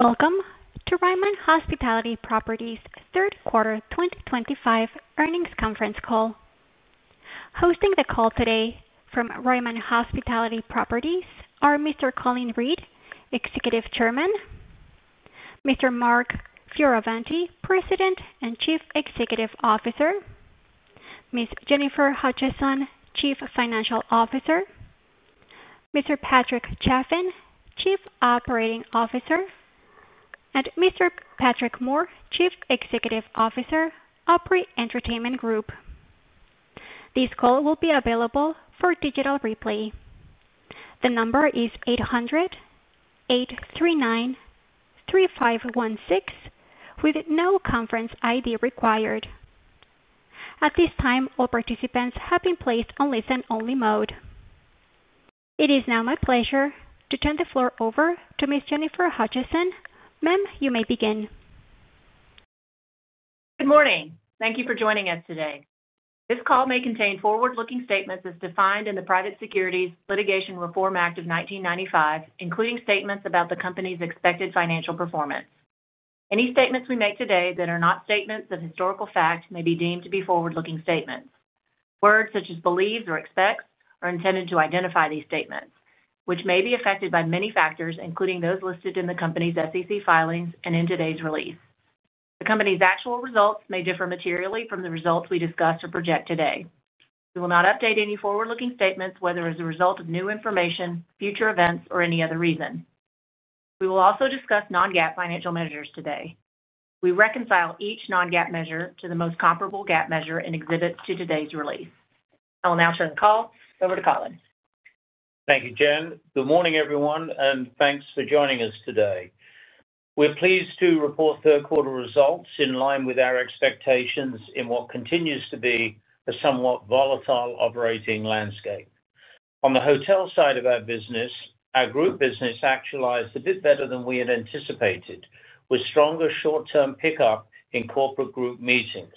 Welcome to Ryman Hospitality Properties' third quarter 2025 earnings conference call. Hosting the call today from Ryman Hospitality Properties are Mr. Colin Reed, Executive Chairman. Mr. Mark Fioravanti, President and Chief Executive Officer. Ms. Jennifer Hutcheson, Chief Financial Officer. Mr. Patrick Chaffin, Chief Operating Officer. And Mr. Patrick Moore, Chief Executive Officer, Opry Entertainment Group. This call will be available for digital replay. The number is 800-839-3516, with no conference ID required. At this time, all participants have been placed on listen-only mode. It is now my pleasure to turn the floor over to Ms. Jennifer Hutcheson. Ma'am, you may begin. Good morning. Thank you for joining us today. This call may contain forward-looking statements as defined in the Private Securities Litigation Reform Act of 1995, including statements about the company's expected financial performance. Any statements we make today that are not statements of historical fact may be deemed to be forward-looking statements. Words such as "believes" or "expects" are intended to identify these statements, which may be affected by many factors, including those listed in the company's SEC filings and in today's release. The company's actual results may differ materially from the results we discuss or project today. We will not update any forward-looking statements, whether as a result of new information, future events, or any other reason. We will also discuss non-GAAP financial measures today. We reconcile each non-GAAP measure to the most comparable GAAP measure in exhibits to today's release. I will now turn the call over to Colin. Thank you, Jen. Good morning, everyone, and thanks for joining us today. We're pleased to report third-quarter results in line with our expectations in what continues to be a somewhat volatile operating landscape. On the hotel side of our business, our group business actualized a bit better than we had anticipated, with stronger short-term pickup in corporate group meetings.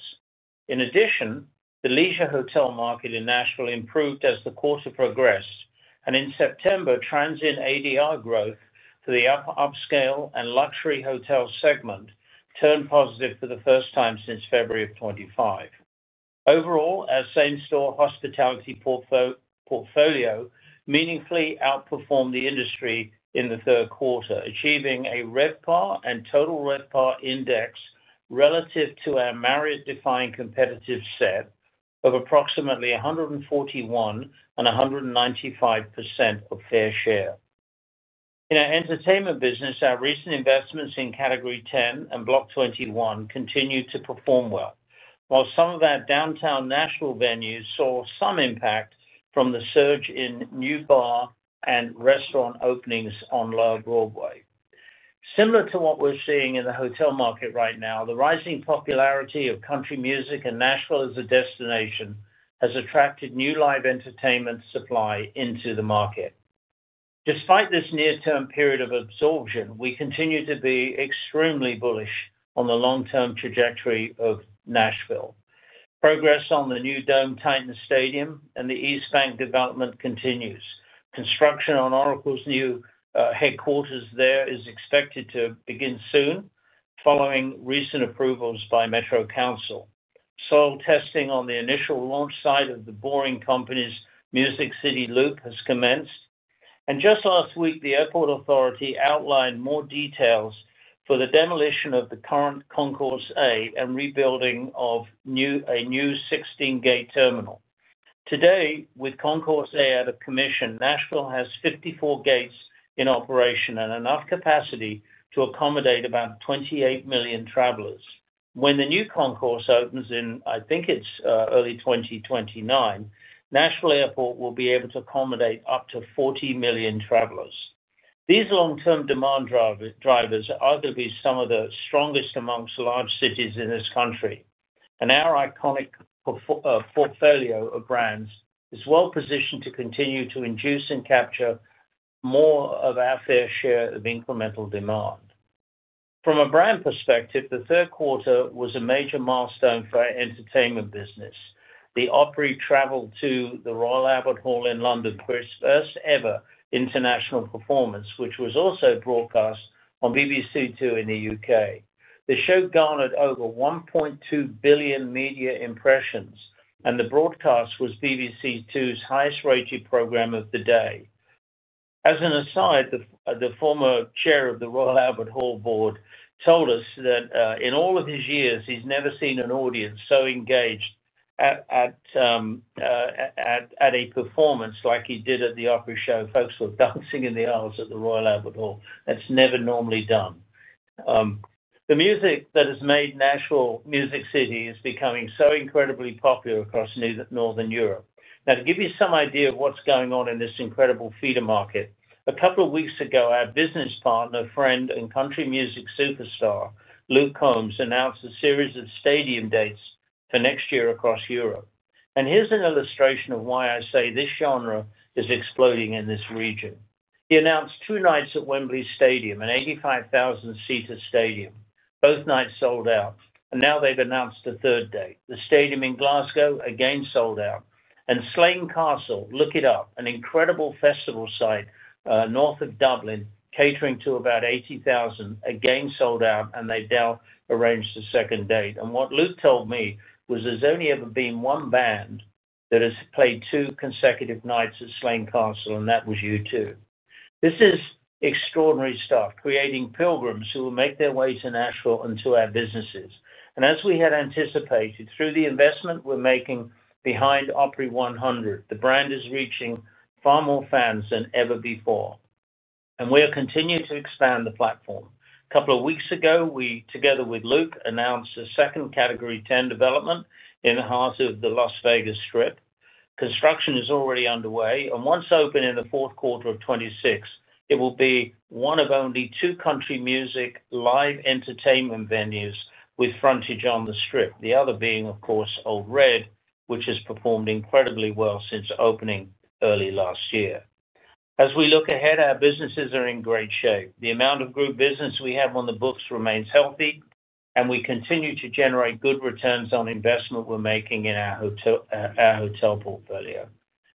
In addition, the leisure hotel market in Nashville improved as the quarter progressed, and in September, transient ADR growth for the upscale and luxury hotel segment turned positive for the first time since February of 2025. Overall, our same-store hospitality portfolio meaningfully outperformed the industry in the third quarter, achieving a RevPAR and total RevPAR index relative to our Marriott-defining competitive set of approximately 141% and 195% of fair share. In our entertainment business, our recent investments in Category 10 and Block 21 continued to perform well, while some of our downtown Nashville venues saw some impact from the surge in new bar and restaurant openings on Lower Broadway. Similar to what we're seeing in the hotel market right now, the rising popularity of country music in Nashville as a destination has attracted new live entertainment supply into the market. Despite this near-term period of absorption, we continue to be extremely bullish on the long-term trajectory of Nashville. Progress on the new Titans stadium and the East Bank development continues. Construction on Oracle's new headquarters there is expected to begin soon, following recent approvals by Metro Council. Soil testing on the initial launch site of the Boring Company's Music City Loop has commenced. And just last week, the airport authority outlined more details for the demolition of the current Concourse A and rebuilding of a new 16-gate terminal. Today, with Concourse A out of commission, Nashville has 54 gates in operation and enough capacity to accommodate about 28 million travelers. When the new Concourse opens in, I think it's early 2029, Nashville Airport will be able to accommodate up to 40 million travelers. These long-term demand drivers are going to be some of the strongest amongst large cities in this country. And our iconic portfolio of brands is well positioned to continue to induce and capture more of our fair share of incremental demand. From a brand perspective, the third quarter was a major milestone for our entertainment business. The Opry traveled to the Royal Albert Hall in London for its first-ever international performance, which was also broadcast on BBC 2 in the U.K. The show garnered over 1.2 billion media impressions, and the broadcast was BBC 2's highest-rated program of the day. As an aside, the former chair of the Royal Albert Hall board told us that in all of his years, he's never seen an audience so engaged at a performance like he did at the Opry show. Folks were dancing in the aisles at the Royal Albert Hall. That's never normally done. The music that has made Nashville Music City is becoming so incredibly popular across Northern Europe. Now, to give you some idea of what's going on in this incredible feeder market, a couple of weeks ago, our business partner, friend, and country music superstar, Luke Combs, announced a series of stadium dates for next year across Europe. And here's an illustration of why I say this genre is exploding in this region. He announced two nights at Wembley Stadium, an 85,000-seater stadium. Both nights sold out. And now they've announced a third date. The stadium in Glasgow, again sold out. And Slane Castle, look it up, an incredible festival site north of Dublin, catering to about 80,000, again sold out, and they've now arranged a second date. And what Luke told me was there's only ever been one band that has played two consecutive nights at Slane Castle, and that was U2. This is extraordinary stuff, creating pilgrims who will make their way to Nashville and to our businesses. And as we had anticipated, through the investment we're making behind Opry 100, the brand is reaching far more fans than ever before. And we are continuing to expand the platform. A couple of weeks ago, we, together with Luke, announced a second Category 10 development in the heart of the Las Vegas Strip. Construction is already underway. And once open in the fourth quarter of 2026, it will be one of only two country music live entertainment venues with frontage on the Strip, the other being, of course, Old Red, which has performed incredibly well since opening early last year. As we look ahead, our businesses are in great shape. The amount of group business we have on the books remains healthy, and we continue to generate good returns on investment we're making in our hotel portfolio.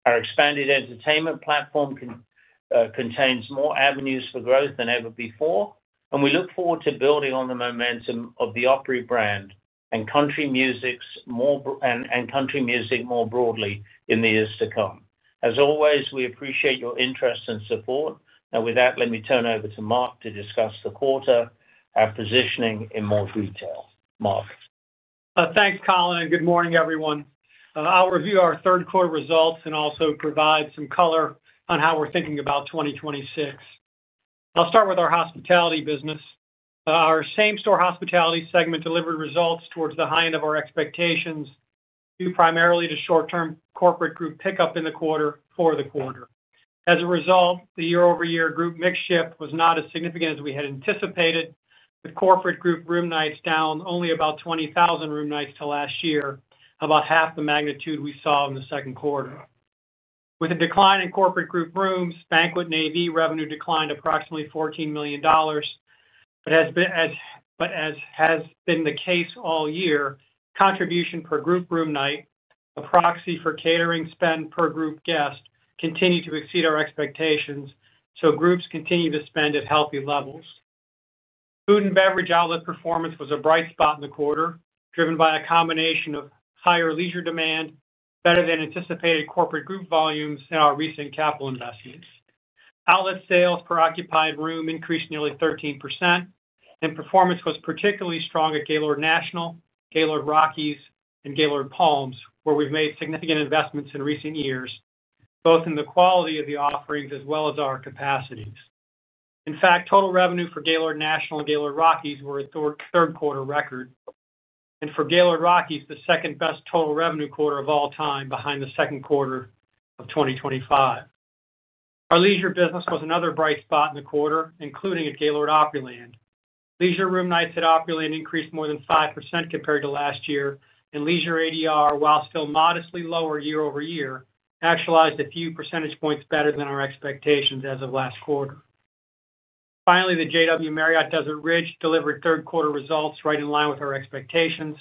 Our expanded entertainment platform contains more avenues for growth than ever before, and we look forward to building on the momentum of the Opry brand and country music more broadly in the years to come. As always, we appreciate your interest and support. And with that, let me turn over to Mark to discuss the quarter, our positioning in more detail. Mark. Thanks, Colin. And good morning, everyone. I'll review our third-quarter results and also provide some color on how we're thinking about 2026. I'll start with our hospitality business. Our same-store hospitality segment delivered results towards the high end of our expectations, due primarily to short-term corporate group pickup in the quarter for the quarter. As a result, the year-over-year group mix shift was not as significant as we had anticipated, with corporate group room nights down only about 20,000 room nights to last year, about half the magnitude we saw in the second quarter. With a decline in corporate group rooms, banquet and AV revenue declined approximately $14 million. But as has been the case all year, contribution per group room night, a proxy for catering spend per group guest, continued to exceed our expectations, so groups continue to spend at healthy levels. Food and beverage outlet performance was a bright spot in the quarter, driven by a combination of higher leisure demand, better-than-anticipated corporate group volumes, and our recent capital investments. Outlet sales per occupied room increased nearly 13%. And performance was particularly strong at Gaylord National, Gaylord Rockies, and Gaylord Palms, where we've made significant investments in recent years, both in the quality of the offerings as well as our capacities. In fact, total revenue for Gaylord National and Gaylord Rockies were a third-quarter record. And for Gaylord Rockies, the second-best total revenue quarter of all time, behind the second quarter of 2025. Our leisure business was another bright spot in the quarter, including at Gaylord Opryland. Leisure room nights at Opryland increased more than 5% compared to last year, and leisure ADR, while still modestly lower year-over-year, actualized a few percentage points better than our expectations as of last quarter. Finally, the JW Marriott Desert Ridge delivered third-quarter results right in line with our expectations.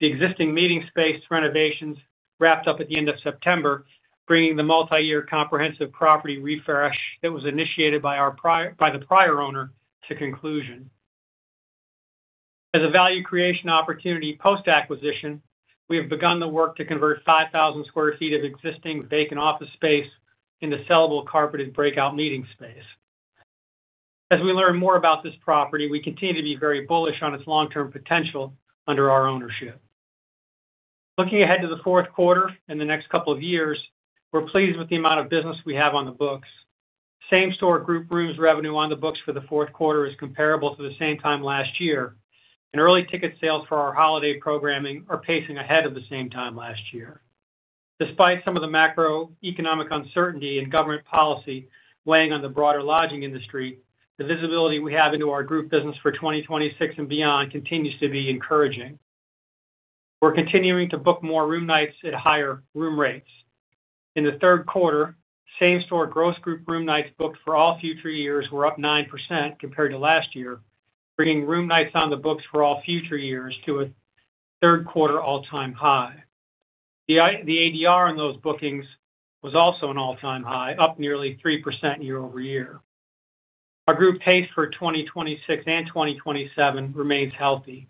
The existing meeting space renovations wrapped up at the end of September, bringing the multi-year comprehensive property refresh that was initiated by the prior owner to conclusion. As a value creation opportunity post-acquisition, we have begun the work to convert 5,000 sq ft of existing vacant office space into sellable carpeted breakout meeting space. As we learn more about this property, we continue to be very bullish on its long-term potential under our ownership. Looking ahead to the fourth quarter and the next couple of years, we're pleased with the amount of business we have on the books. Same-store group rooms revenue on the books for the fourth quarter is comparable to the same time last year, and early ticket sales for our holiday programming are pacing ahead of the same time last year. Despite some of the macroeconomic uncertainty and government policy weighing on the broader lodging industry, the visibility we have into our group business for 2026 and beyond continues to be encouraging. We're continuing to book more room nights at higher room rates. In the third quarter, same-store gross group room nights booked for all future years were up 9% compared to last year, bringing room nights on the books for all future years to a third-quarter all-time high. The ADR on those bookings was also an all-time high, up nearly 3% year-over-year. Our group pace for 2026 and 2027 remains healthy.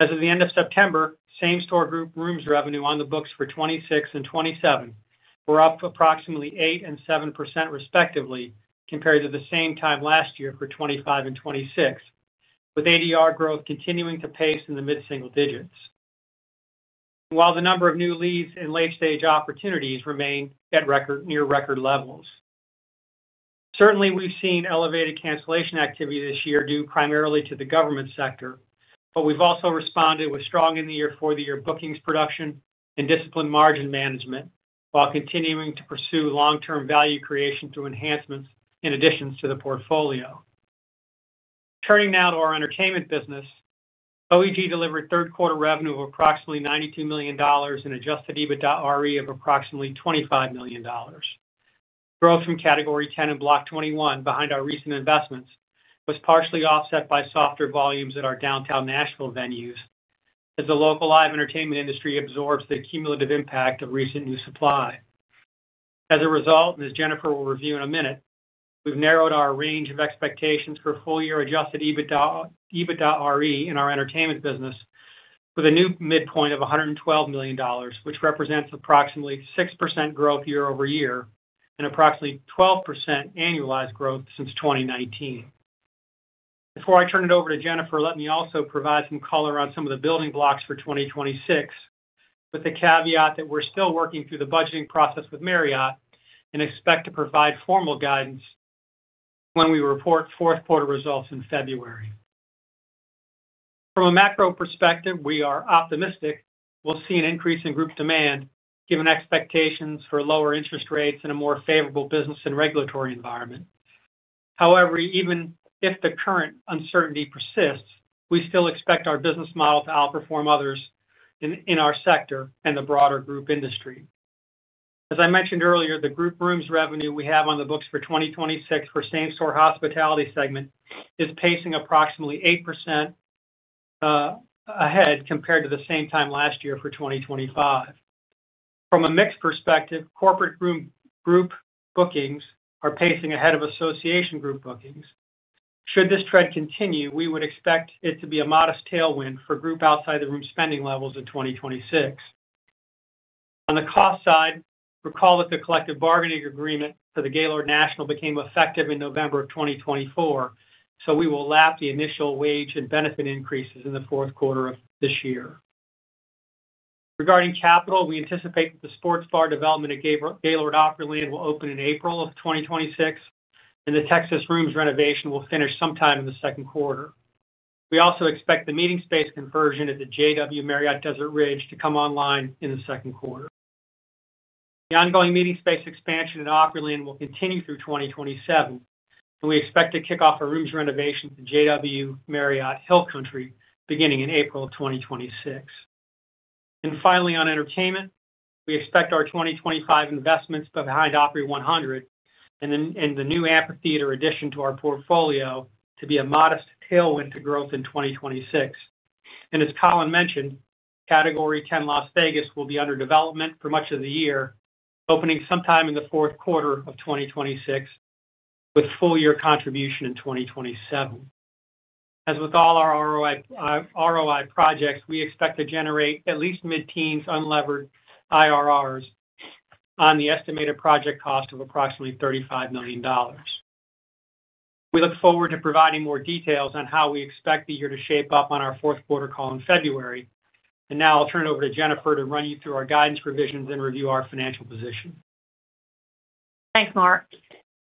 As of the end of September, same-store group rooms revenue on the books for 2026 and 2027 were up approximately 8% and 7% respectively compared to the same time last year for 2025 and 2026, with ADR growth continuing to pace in the mid-single digits. While the number of new leads and late-stage opportunities remain at near-record levels. Certainly, we've seen elevated cancellation activity this year due primarily to the government sector, but we've also responded with strong in-the-year-for-the-year bookings production and disciplined margin management while continuing to pursue long-term value creation through enhancements in additions to the portfolio. Turning now to our entertainment business. OEG delivered third-quarter revenue of approximately $92 million and adjusted EBITDAre of approximately $25 million. Growth from Category 10 and Block 21, behind our recent investments, was partially offset by softer volumes at our downtown Nashville venues as the local live entertainment industry absorbs the cumulative impact of recent new supply. As a result, and as Jennifer will review in a minute, we've narrowed our range of expectations for full-year adjusted EBITDAre in our entertainment business. With a new midpoint of $112 million, which represents approximately 6% growth year-over-year and approximately 12% annualized growth since 2019. Before I turn it over to Jennifer, let me also provide some color on some of the building blocks for 2026, with the caveat that we're still working through the budgeting process with Marriott and expect to provide formal guidance. When we report fourth-quarter results in February. From a macro perspective, we are optimistic we'll see an increase in group demand given expectations for lower interest rates and a more favorable business and regulatory environment. However, even if the current uncertainty persists, we still expect our business model to outperform others in our sector and the broader group industry. As I mentioned earlier, the group rooms revenue we have on the books for 2026 for same-store hospitality segment is pacing approximately 8%. Ahead compared to the same time last year for 2025. From a mixed perspective, corporate group bookings are pacing ahead of association group bookings. Should this trend continue, we would expect it to be a modest tailwind for group outside-the-room spending levels in 2026. On the cost side, recall that the collective bargaining agreement for the Gaylord National became effective in November of 2024, so we will lap the initial wage and benefit increases in the fourth quarter of this year. Regarding capital, we anticipate that the sports bar development at Gaylord Opryland will open in April of 2026, and the Texas rooms renovation will finish sometime in the second quarter. We also expect the meeting space conversion at the JW Marriott Desert Ridge to come online in the second quarter. The ongoing meeting space expansion at Opryland will continue through 2027, and we expect to kick off a rooms renovation at the JW Marriott Hill Country beginning in April of 2026. And finally, on entertainment, we expect our 2025 investments behind Category 10 and the new amphitheater addition to our portfolio to be a modest tailwind to growth in 2026. And as Colin mentioned, Category 10 Las Vegas will be under development for much of the year, opening sometime in the fourth quarter of 2026. With full-year contribution in 2027. As with all our ROI projects, we expect to generate at least mid-teens unlevered IRRs on the estimated project cost of approximately $35 million. We look forward to providing more details on how we expect the year to shape up on our fourth quarter call in February. And now I'll turn it over to Jennifer to run you through our guidance revisions and review our financial position. Thanks, Mark.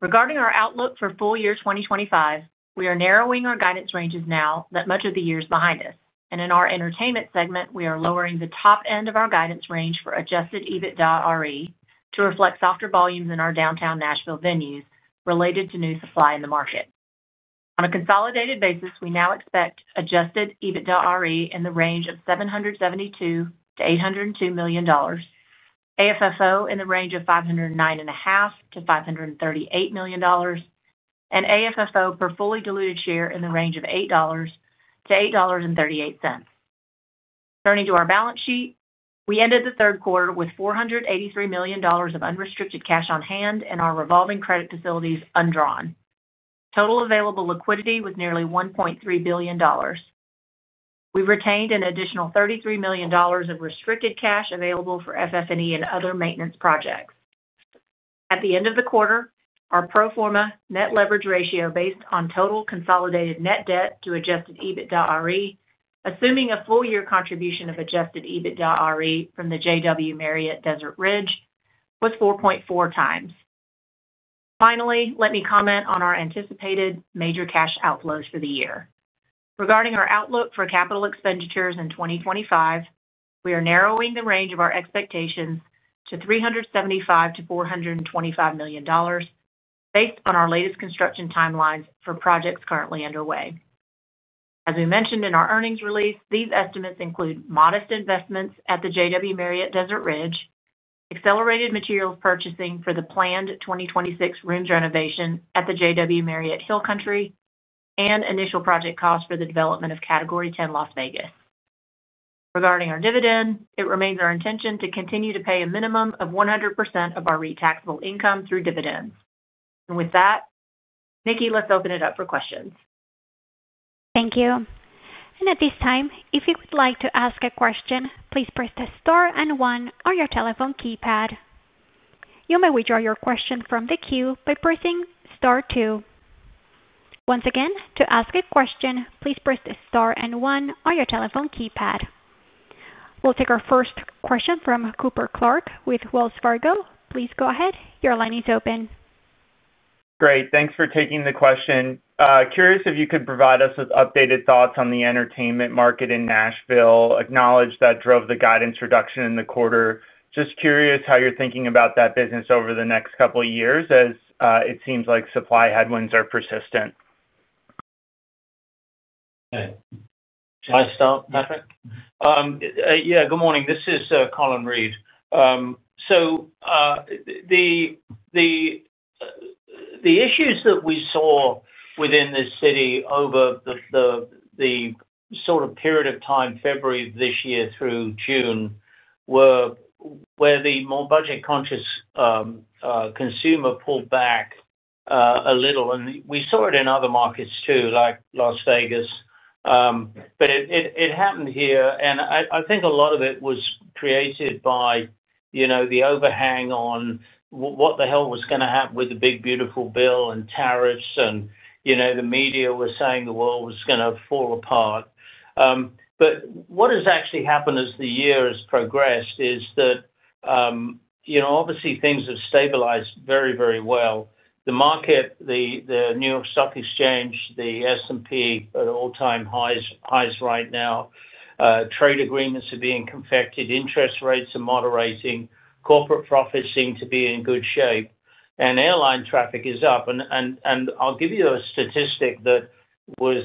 Regarding our outlook for full year 2025, we are narrowing our guidance ranges now that much of the year is behind us. In our entertainment segment, we are lowering the top end of our guidance range for adjusted EBITDAre to reflect softer volumes in our downtown Nashville venues related to new supply in the market. On a consolidated basis, we now expect adjusted EBITDAre in the range of $772 million-$802 million. AFFO in the range of $509.5 million-$538 million. AFFO per fully diluted share in the range of $8-$8.38. Turning to our balance sheet, we ended the third quarter with $483 million of unrestricted cash on hand and our revolving credit facilities undrawn. Total available liquidity was nearly $1.3 billion. We've retained an additional $33 million of restricted cash available for FF&E and other maintenance projects. At the end of the quarter, our pro forma net leverage ratio based on total consolidated net debt to adjusted EBITDAre, assuming a full-year contribution of adjusted EBITDAre from the JW Marriott Desert Ridge, was 4.4x. Finally, let me comment on our anticipated major cash outflows for the year. Regarding our outlook for capital expenditures in 2025, we are narrowing the range of our expectations to $375 million-$425 million. Based on our latest construction timelines for projects currently underway. As we mentioned in our earnings release, these estimates include modest investments at the JW Marriott Desert Ridge, accelerated materials purchasing for the planned 2026 rooms renovation at the JW Marriott Hill Country, and initial project costs for the development of Category 10 Las Vegas. Regarding our dividend, it remains our intention to continue to pay a minimum of 100% of our taxable income through dividends. And with that, Nikki, let's open it up for questions. Thank you. And at this time, if you would like to ask a question, please press the star and one on your telephone keypad. You may withdraw your question from the queue by pressing star two. Once again, to ask a question, please press the star and one on your telephone keypad. We'll take our first question from Cooper Clark with Wells Fargo. Please go ahead. Your line is open. Great. Thanks for taking the question. Curious if you could provide us with updated thoughts on the entertainment market in Nashville. Acknowledge that drove the guidance reduction in the quarter. Just curious how you're thinking about that business over the next couple of years as it seems like supply headwinds are persistent. Can I start, Patrick? Yeah. Good morning. This is Colin Reed. So the issues that we saw within this city over the sort of period of time, February of this year through June, were where the more budget-conscious consumer pulled back a little. And we saw it in other markets too, like Las Vegas. But it happened here. And I think a lot of it was created by the overhang on what the hell was going to happen with the big, beautiful bill and tariffs. And the media were saying the world was going to fall apart. But what has actually happened as the year has progressed is that obviously things have stabilized very, very well. The market. The New York Stock Exchange, the S&P at all-time highs right now. Trade agreements are being confected, interest rates are moderating, corporate profits seem to be in good shape, and airline traffic is up. And I'll give you a statistic that was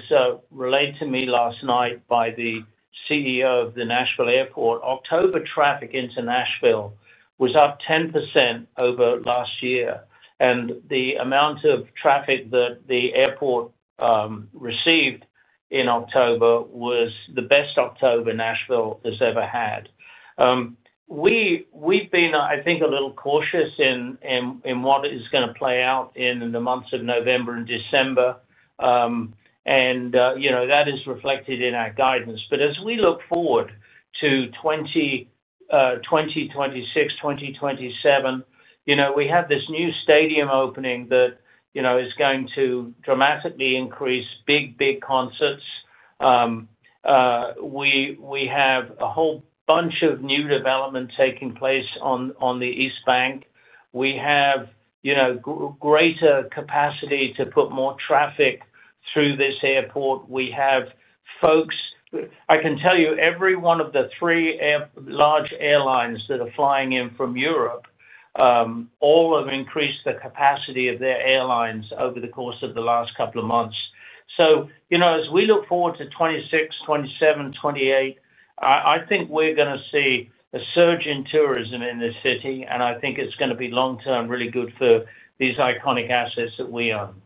relayed to me last night by the CEO of the Nashville Airport. October traffic into Nashville was up 10% over last year. And the amount of traffic that the airport received in October was the best October Nashville has ever had. We've been, I think, a little cautious in what is going to play out in the months of November and December. And that is reflected in our guidance. But as we look forward to 2026, 2027, we have this new stadium opening that is going to dramatically increase big, big concerts. We have a whole bunch of new development taking place on the East Bank. We have greater capacity to put more traffic through this airport. We have folks I can tell you every one of the three large airlines that are flying in from Europe, all have increased the capacity of their airlines over the course of the last couple of months. So as we look forward to 2026, 2027, 2028, I think we're going to see a surge in tourism in this city. And I think it's going to be long-term really good for these iconic assets that we own.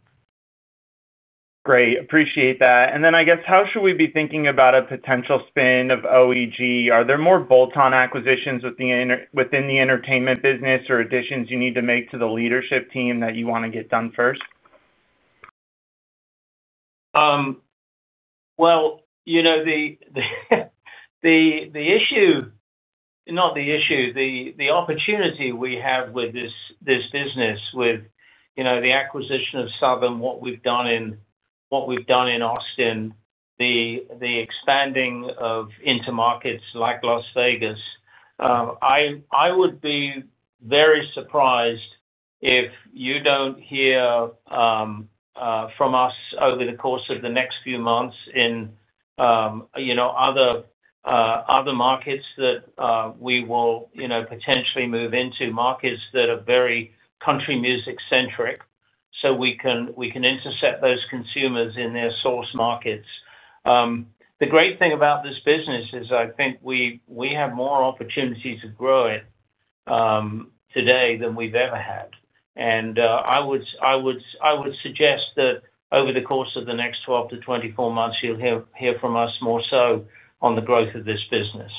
Great. Appreciate that. And then I guess, how should we be thinking about a potential spin of OEG? Are there more bolt-on acquisitions within the entertainment business or additions you need to make to the leadership team that you want to get done first? The issue - not the issue, the opportunity we have with this business, with the acquisition of Southern, what we've done in Austin, the expanding of intermarkets like Las Vegas. I would be very surprised if you don't hear from us over the course of the next few months in other markets that we will potentially move into, markets that are very country music-centric, so we can intercept those consumers in their source markets. The great thing about this business is I think we have more opportunities to grow it today than we've ever had. I would suggest that over the course of the next 12-24 months, you'll hear from us more so on the growth of this business.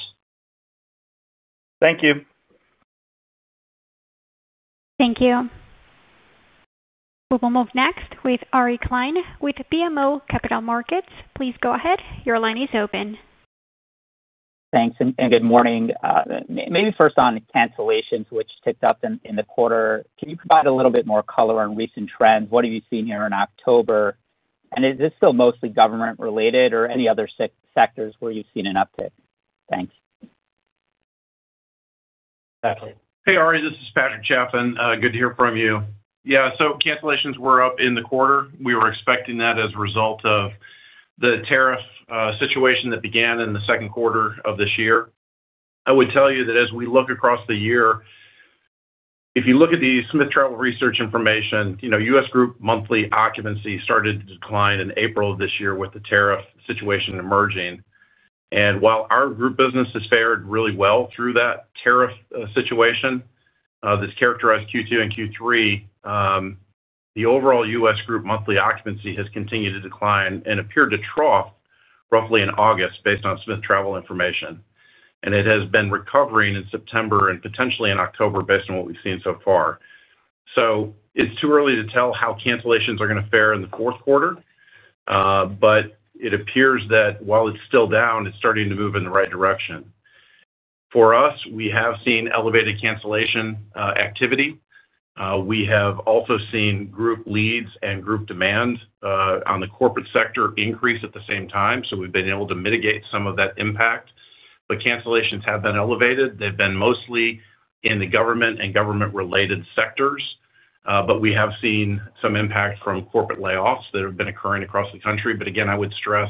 Thank you. Thank you. We will move next with Ari Klein with BMO Capital Markets. Please go ahead. Your line is open. Thanks. Good morning. Maybe first on cancellations, which ticked up in the quarter. Can you provide a little bit more color on recent trends? What are you seeing here in October? And is this still mostly government-related or any other sectors where you've seen an uptick? Thanks. Hey, Ari. This is Patrick Chaffin. Good to hear from you. Yeah. So cancellations were up in the quarter. We were expecting that as a result of the tariff situation that began in the second quarter of this year. I would tell you that as we look across the year, if you look at the Smith Travel Research information, U.S. group monthly occupancy started to decline in April of this year with the tariff situation emerging. And while our group business has fared really well through that tariff situation, this characterized Q2 and Q3. The overall U.S. group monthly occupancy has continued to decline and appeared to trough roughly in August based on Smith Travel information. And it has been recovering in September and potentially in October based on what we've seen so far. So it's too early to tell how cancellations are going to fare in the fourth quarter. But it appears that while it's still down, it's starting to move in the right direction. For us, we have seen elevated cancellation activity. We have also seen group leads and group demand on the corporate sector increase at the same time. So we've been able to mitigate some of that impact. But cancellations have been elevated. They've been mostly in the government and government-related sectors. But we have seen some impact from corporate layoffs that have been occurring across the country. But again, I would stress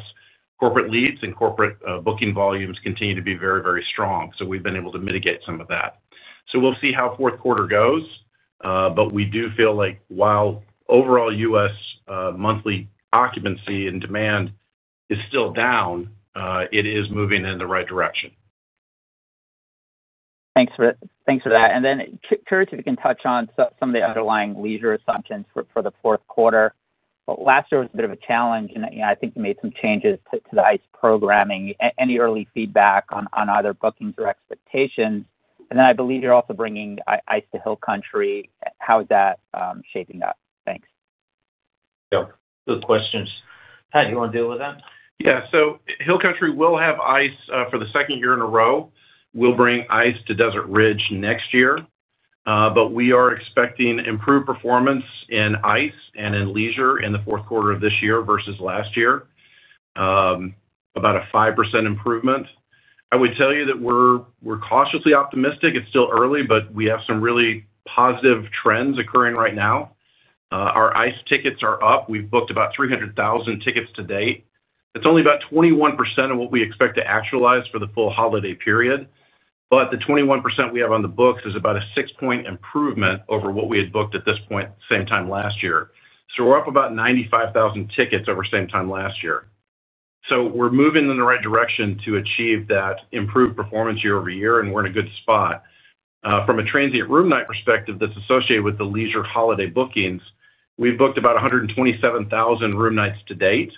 corporate leads and corporate booking volumes continue to be very, very strong. So we've been able to mitigate some of that. So we'll see how fourth quarter goes. But we do feel like while overall U.S. monthly occupancy and demand is still down. It is moving in the right direction. Thanks for that and then, curious if you can touch on some of the underlying leisure assumptions for the fourth quarter. Last year was a bit of a challenge and I think you made some changes to the ICE! programming. Any early feedback on either bookings or expectations? and then I believe you're also bringing ICE! to Hill Country. How is that shaping up? Thanks. Good questions. Pat, you want to deal with that? Yeah. So Hill Country will have ICE! for the second year in a row. We'll bring ICE! to Desert Ridge next year. But we are expecting improved performance in ICE! and in leisure in the fourth quarter of this year versus last year. About a 5% improvement. I would tell you that we're cautiously optimistic. It's still early, but we have some really positive trends occurring right now. Our ICE! tickets are up. We've booked about 300,000 tickets to date. It's only about 21% of what we expect to actualize for the full holiday period. But the 21% we have on the books is about a six-point improvement over what we had booked at this point, same time last year. So we're up about 95,000 tickets over same time last year. So we're moving in the right direction to achieve that improved performance year-over-year, and we're in a good spot. From a transient room night perspective that's associated with the leisure holiday bookings, we've booked about 127,000 room nights to date.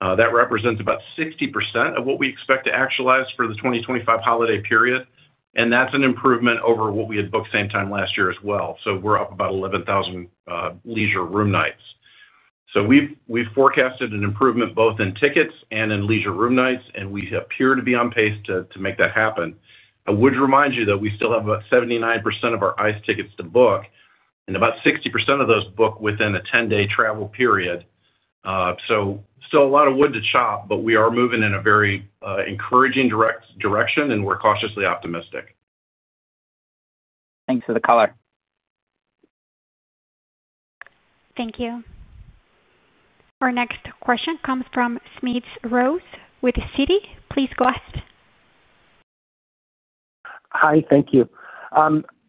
That represents about 60% of what we expect to actualize for the 2025 holiday period. And that's an improvement over what we had booked same time last year as well. So we're up about 11,000 leisure room nights. So we've forecasted an improvement both in tickets and in leisure room nights, and we appear to be on pace to make that happen. I would remind you that we still have about 79% of our ICE! tickets to book, and about 60% of those book within a 10-day travel period. So still a lot of wood to chop, but we are moving in a very encouraging direction, and we're cautiously optimistic. Thanks for the color. Thank you. Our next question comes from Smedes Rose. With Citi, please go ahead. Hi. Thank you.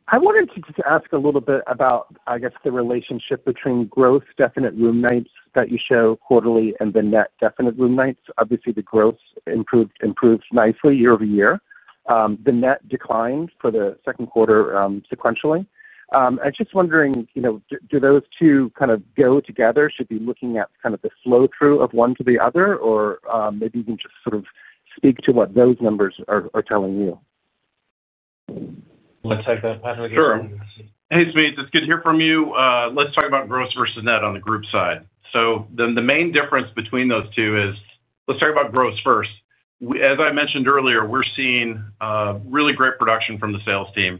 I wanted to just ask a little bit about, I guess, the relationship between growth, definite room nights that you show quarterly, and the net definite room nights. Obviously, the growth improved nicely year-over-year. The net declined for the second quarter sequentially. I'm just wondering, do those two kind of go together? Should we be looking at kind of the flow-through of one to the other, or maybe you can just sort of speak to what those numbers are telling you? Let's take that. Sure. Hey, Smedes. It's good to hear from you. Let's talk about gross versus net on the group side. So the main difference between those two is let's talk about gross first. As I mentioned earlier, we're seeing really great production from the sales team.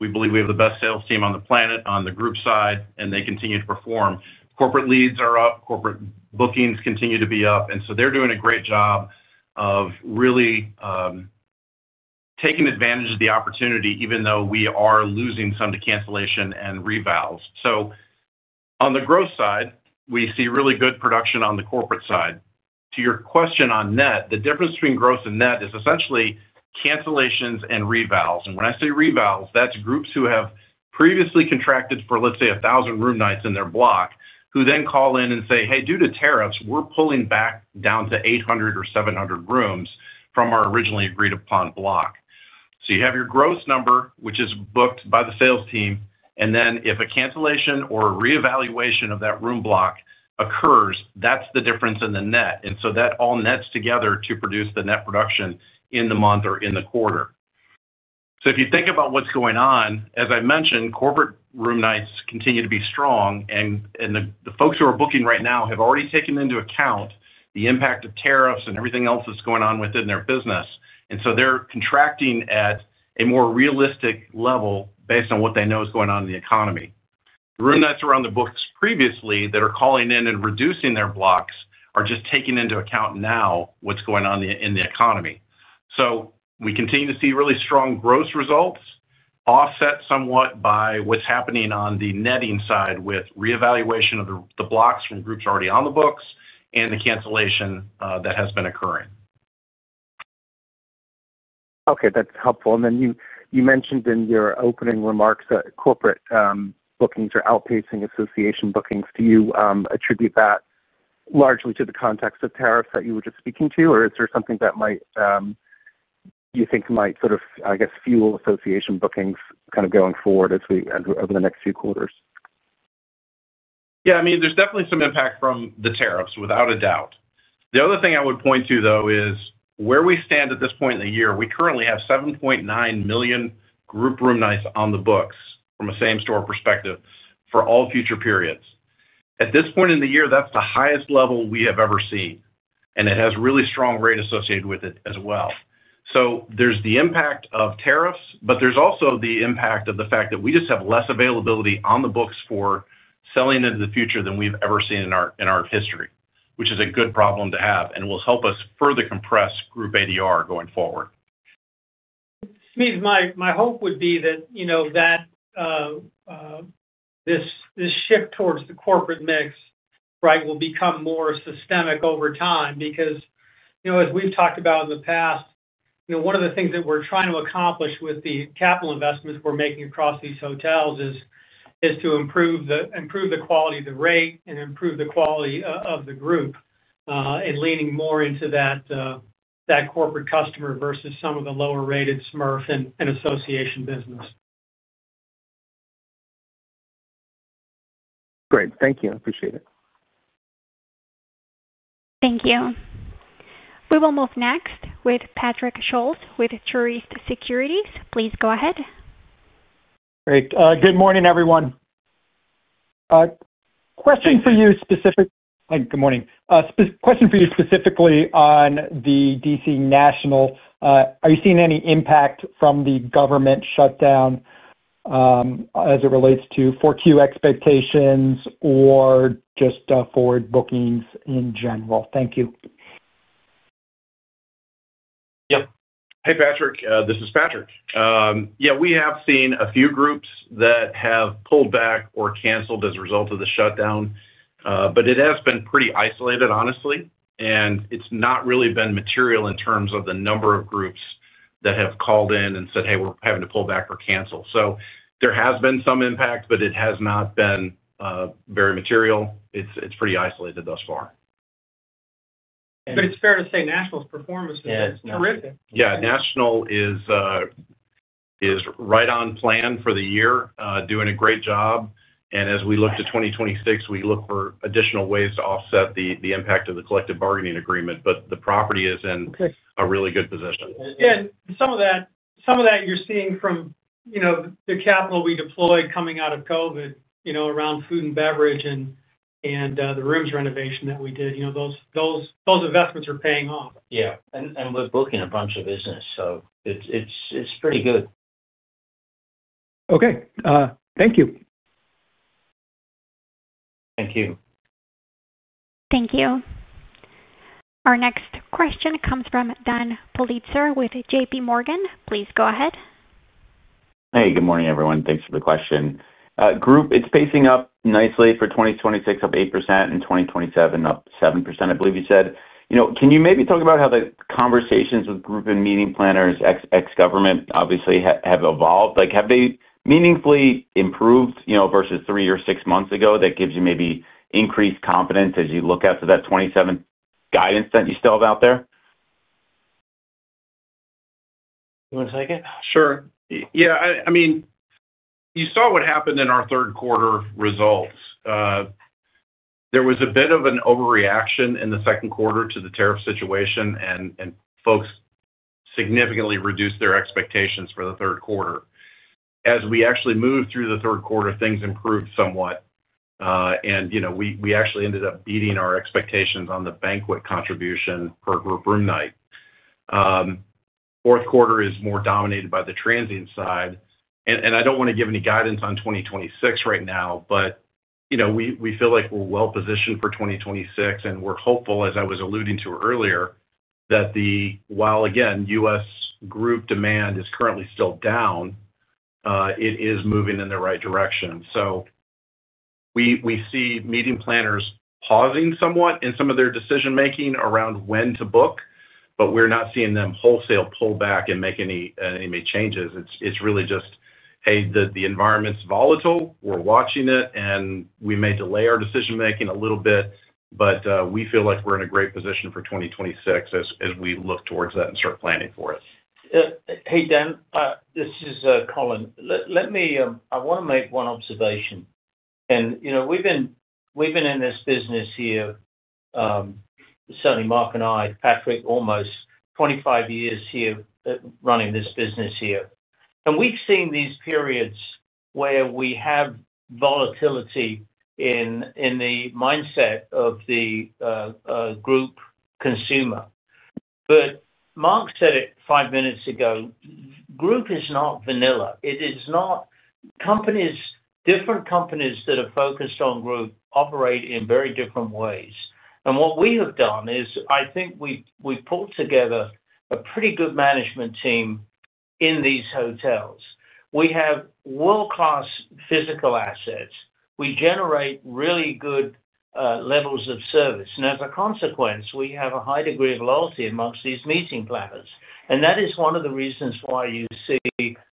We believe we have the best sales team on the planet on the group side, and they continue to perform. Corporate leads are up. Corporate bookings continue to be up. And so they're doing a great job of really taking advantage of the opportunity, even though we are losing some to cancellation and revalves. So on the gross side, we see really good production on the corporate side. To your question on net, the difference between gross and net is essentially cancellations and revalves. And when I say revalves, that's groups who have previously contracted for, let's say, 1,000 room nights in their block, who then call in and say, "Hey, due to tariffs, we're pulling back down to 800 or 700 rooms from our originally agreed-upon block." So you have your gross number, which is booked by the sales team. And then if a cancellation or a reevaluation of that room block occurs, that's the difference in the net. And so that all nets together to produce the net production in the month or in the quarter. So if you think about what's going on, as I mentioned, corporate room nights continue to be strong. And the folks who are booking right now have already taken into account the impact of tariffs and everything else that's going on within their business. And so they're contracting at a more realistic level based on what they know is going on in the economy. Room nights on the books previously that are calling in and reducing their blocks are just taking into account now what's going on in the economy. So we continue to see really strong gross results, offset somewhat by what's happening on the netting side with reevaluation of the blocks from groups already on the books and the cancellation that has been occurring. Okay. That's helpful. And then you mentioned in your opening remarks that corporate bookings are outpacing association bookings. Do you attribute that largely to the context of tariffs that you were just speaking to, or is there something that you think might sort of, I guess, fuel association bookings kind of going forward over the next few quarters? Yeah. I mean, there's definitely some impact from the tariffs, without a doubt. The other thing I would point to, though, is where we stand at this point in the year. We currently have 7.9 million group room nights on the books from a same-store perspective for all future periods. At this point in the year, that's the highest level we have ever seen. And it has really strong rate associated with it as well. So there's the impact of tariffs, but there's also the impact of the fact that we just have less availability on the books for selling into the future than we've ever seen in our history, which is a good problem to have and will help us further compress group ADR going forward. Smedes, my hope would be that this shift towards the corporate mix, right, will become more systemic over time because, as we've talked about in the past, one of the things that we're trying to accomplish with the capital investments we're making across these hotels is to improve the quality of the rate and improve the quality of the group. And leaning more into that corporate customer versus some of the lower-rated smurf and association business. Great. Thank you. Appreciate it. Thank you. We will move next with Patrick Scholes with Truist Securities. Please go ahead. Great. Good morning, everyone. Question for you specifically. Hey, good morning. Question for you specifically on the D.C. National. Are you seeing any impact from the government shutdown? As it relates to 4Q expectations or just forward bookings in general? Thank you. Yeah. Hey, Patrick. This is Patrick. Yeah. We have seen a few groups that have pulled back or canceled as a result of the shutdown. But it has been pretty isolated, honestly. And it's not really been material in terms of the number of groups that have called in and said, "Hey, we're having to pull back or cancel." So there has been some impact, but it has not been very material. It's pretty isolated thus far. But it's fair to say National's performance has been terrific. Yeah. National is right on plan for the year, doing a great job. And as we look to 2026, we look for additional ways to offset the impact of the collective bargaining agreement. But the property is in a really good position. Yeah. And some of that you're seeing from the capital we deployed coming out of COVID around food and beverage and the rooms renovation that we did. Those investments are paying off. Yeah. And we're booking a bunch of business. So it's pretty good. Okay. Thank you. Thank you. Thank you. Our next question comes from Dan Politzer with JPMorgan. Please go ahead. Hey. Good morning, everyone. Thanks for the question. Group, it's pacing up nicely for 2026, up 8%, and 2027, up 7%, I believe you said. Can you maybe talk about how the conversations with group and meeting planners, ex-government, obviously have evolved? Have they meaningfully improved versus three or six months ago that gives you maybe increased confidence as you look after that 2027 guidance that you still have out there? You want to take it? Sure. Yeah. I mean, you saw what happened in our third-quarter results. There was a bit of an overreaction in the second quarter to the tariff situation, and folks significantly reduced their expectations for the third quarter. As we actually moved through the third quarter, things improved somewhat. And we actually ended up beating our expectations on the banquet contribution for group room night. Fourth quarter is more dominated by the transient side. And I don't want to give any guidance on 2026 right now, but we feel like we're well-positioned for 2026. And we're hopeful, as I was alluding to earlier, that while, again, U.S. group demand is currently still down, it is moving in the right direction. So we see meeting planners pausing somewhat in some of their decision-making around when to book, but we're not seeing them wholesale pull back and make any changes. It's really just, "Hey, the environment's volatile. We're watching it. And we may delay our decision-making a little bit, but we feel like we're in a great position for 2026 as we look towards that and start planning for it. Hey, Dan, this is Colin. I want to make one observation. And we've been in this business here. Certainly, Mark and I, Patrick, almost 25 years here running this business here. And we've seen these periods where we have volatility in the mindset of the group consumer. But Mark said it five minutes ago, group is not vanilla. It is not different. Companies that are focused on group operate in very different ways. And what we have done is I think we've pulled together a pretty good management team in these hotels. We have world-class physical assets. We generate really good levels of service. And as a consequence, we have a high degree of loyalty amongst these meeting planners. And that is one of the reasons why you see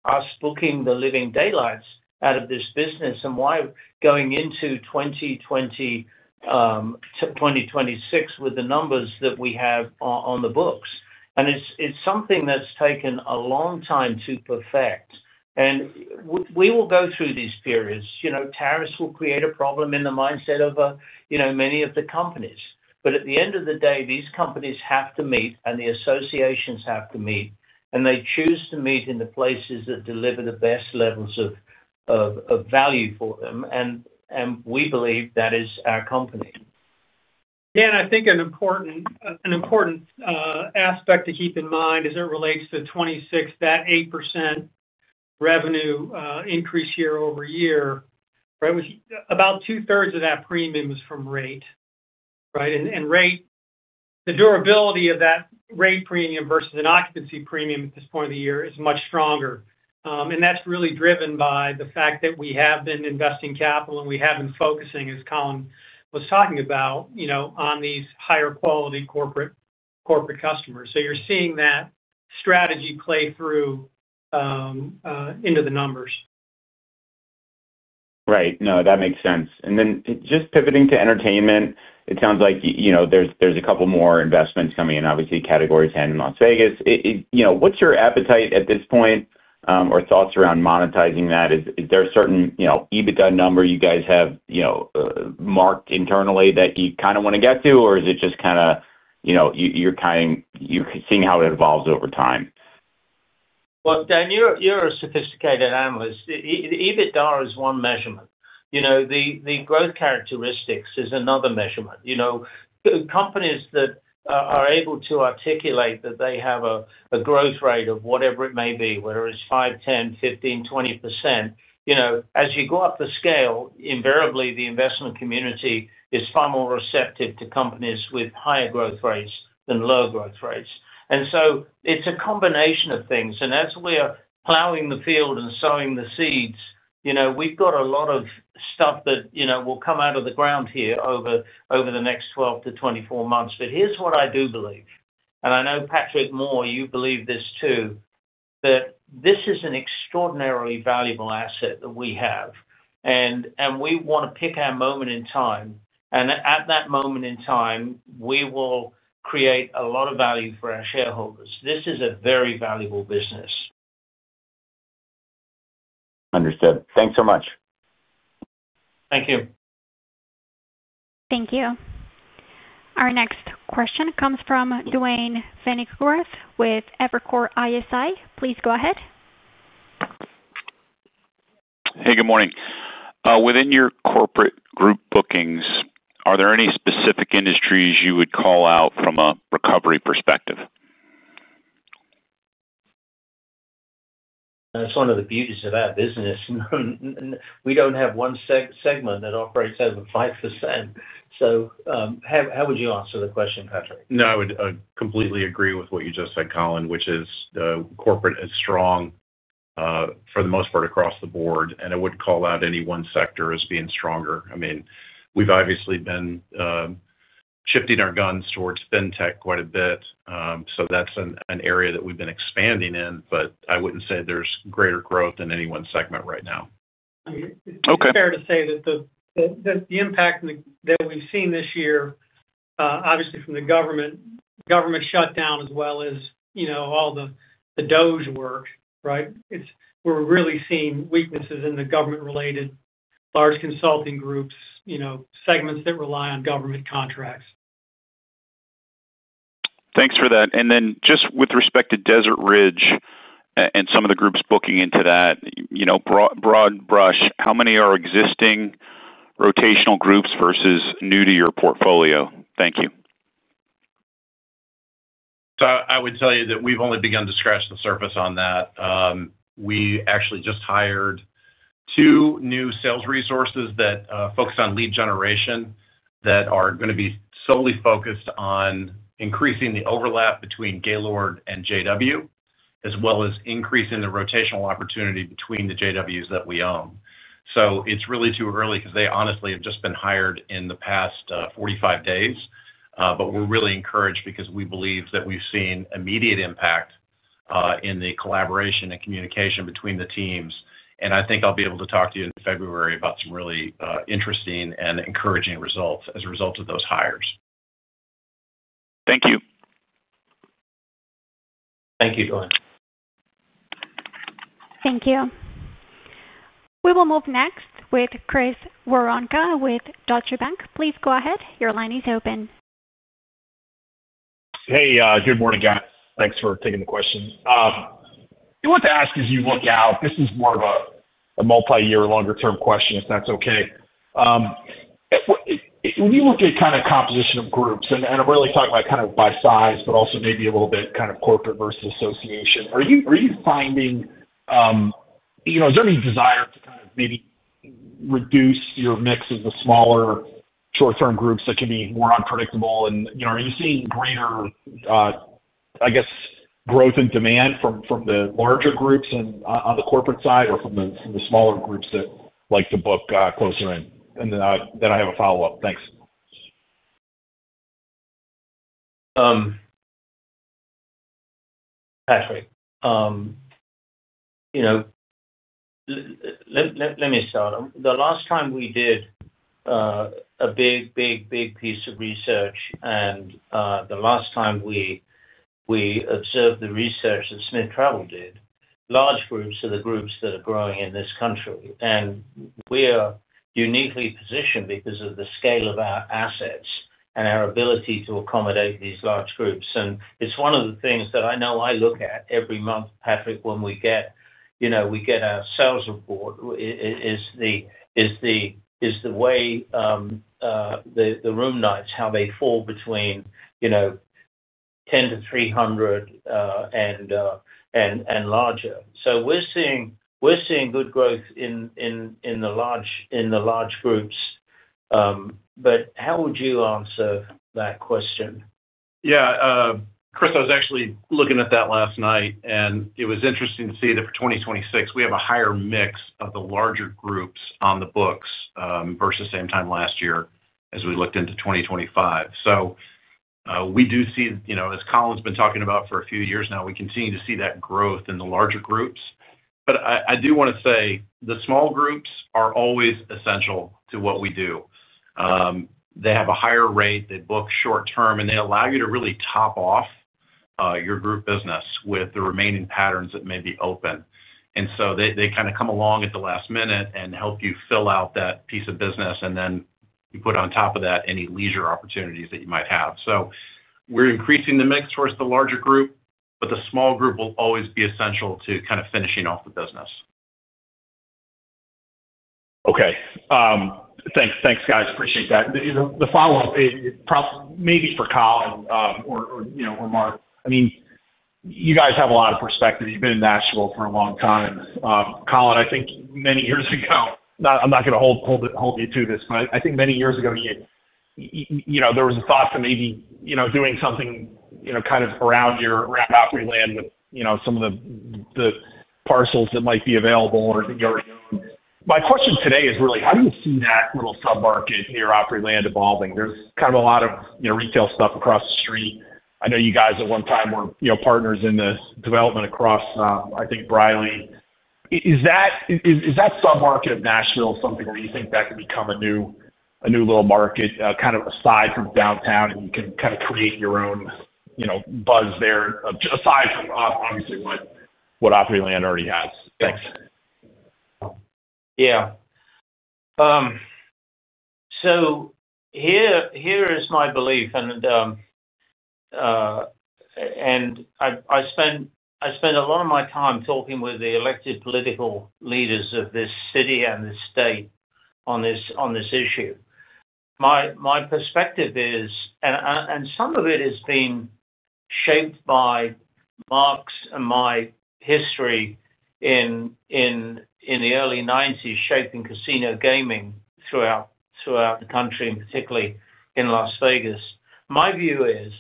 us booking the living daylights out of this business and why going into 2026 with the numbers that we have on the books. And it's something that's taken a long time to perfect. And we will go through these periods. Tariffs will create a problem in the mindset of many of the companies. But at the end of the day, these companies have to meet, and the associations have to meet, and they choose to meet in the places that deliver the best levels of value for them. And we believe that is our company. Dan, I think an important aspect to keep in mind as it relates to 2026, that 8% revenue increase year-over-year, right, was about two-thirds of that premium is from rate, right? And the durability of that rate premium versus an occupancy premium at this point of the year is much stronger. And that's really driven by the fact that we have been investing capital, and we have been focusing, as Colin was talking about, on these higher-quality corporate customers. So you're seeing that strategy play through into the numbers. Right. No, that makes sense. And then just pivoting to entertainment, it sounds like there's a couple more investments coming in, obviously, Category 10 in Las Vegas. What's your appetite at this point? Or thoughts around monetizing that? Is there a certain EBITDA number you guys have marked internally that you kind of want to get to, or is it just kind of you're seeing how it evolves over time? Dan, you're a sophisticated analyst. The EBITDA is one measurement. The growth characteristics is another measurement. Companies that are able to articulate that they have a growth rate of whatever it may be, whether it's 5%, 10%, 15%, 20%. As you go up the scale, invariably, the investment community is far more receptive to companies with higher growth rates than lower growth rates. It's a combination of things. As we are plowing the field and sowing the seeds, we've got a lot of stuff that will come out of the ground here over the next 12 to 24 months. Here's what I do believe. I know Patrick Moore, you believe this too, that this is an extraordinarily valuable asset that we have. We want to pick our moment in time. And at that moment in time, we will create a lot of value for our shareholders. This is a very valuable business. Understood. Thanks so much. Thank you. Thank you. Our next question comes from Duane Pfennigwerth with Evercore ISI. Please go ahead. Hey, good morning. Within your corporate group bookings, are there any specific industries you would call out from a recovery perspective? That's one of the beauties of our business. We don't have one segment that operates over 5%. So. How would you answer the question, Patrick? No, I would completely agree with what you just said, Colin, which is corporate is strong. For the most part across the board. And I wouldn't call out any one sector as being stronger. I mean, we've obviously been shifting our guns towards fintech quite a bit. So that's an area that we've been expanding in. But I wouldn't say there's greater growth in any one segment right now. It's fair to say that the impact that we've seen this year, obviously from the government shutdown as well as all the DOGE work, right, we're really seeing weaknesses in the government-related large consulting groups, segments that rely on government contracts. Thanks for that. And then just with respect to Desert Ridge and some of the groups booking into that. Broad brush, how many are existing rotational groups versus new to your portfolio? Thank you. So I would tell you that we've only begun to scratch the surface on that. We actually just hired two new sales resources that focus on lead generation that are going to be solely focused on increasing the overlap between Gaylord and JW, as well as increasing the rotational opportunity between the JWs that we own. So it's really too early because they honestly have just been hired in the past 45 days. But we're really encouraged because we believe that we've seen immediate impact in the collaboration and communication between the teams. And I think I'll be able to talk to you in February about some really interesting and encouraging results as a result of those hires. Thank you. Thank you, Duane. Thank you. We will move next with Chris Woronka with Deutsche Bank. Please go ahead. Your line is open. Hey, good morning, guys. Thanks for taking the question. I want to ask, as you look out, this is more of a multi-year, longer-term question, if that's okay. When you look at kind of composition of groups, and I'm really talking about kind of by size, but also maybe a little bit kind of corporate versus association, are you finding? Is there any desire to kind of maybe reduce your mix of the smaller short-term groups that can be more unpredictable? And are you seeing greater? I guess, growth in demand from the larger groups on the corporate side or from the smaller groups that like to book closer in? And then I have a follow-up. Thanks. Patrick, let me start. The last time we did a big, big, big piece of research, and the last time we observed the research that Smith Travel did. Large groups are the groups that are growing in this country. We are uniquely positioned because of the scale of our assets and our ability to accommodate these large groups. It's one of the things that I know I look at every month, Patrick, when we get our sales report: the way the room nights, how they fall between 10 to 300 and larger. We're seeing good growth in the large groups. But how would you answer that question? Yeah. Chris, I was actually looking at that last night, and it was interesting to see that for 2026, we have a higher mix of the larger groups on the books versus same time last year as we looked into 2025. So. We do see, as Colin's been talking about for a few years now, we continue to see that growth in the larger groups. But I do want to say the small groups are always essential to what we do. They have a higher rate. They book short-term, and they allow you to really top off your group business with the remaining patterns that may be open. And so they kind of come along at the last minute and help you fill out that piece of business, and then you put on top of that any leisure opportunities that you might have. So we're increasing the mix towards the larger group, but the small group will always be essential to kind of finishing off the business. Okay. Thanks, guys. Appreciate that. The follow-up. Maybe for Colin or Mark. I mean, you guys have a lot of perspective. You've been in Nashville for a long time. Colin, I think many years ago, I'm not going to hold you to this, but I think many years ago. There was a thought to maybe doing something kind of around your Opryland with some of the parcels that might be available or that you already own. My question today is really, how do you see that little submarket near Opryland evolving? There's kind of a lot of retail stuff across the street. I know you guys at one time were partners in the development across, I think, Briley. Is that submarket of Nashville something where you think that can become a new little market kind of aside from downtown, and you can kind of create your own buzz there aside from, obviously, what Opryland already has? Thanks. Yeah. So here is my belief, and I spend a lot of my time talking with the elected political leaders of this city and this state on this issue. My perspective is, and some of it has been shaped by Mark's and my history in the early '90s shaping casino gaming throughout the country, and particularly in Las Vegas, my view is